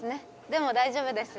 でも大丈夫です。